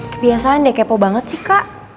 kebiasaan deh kepo banget sih kak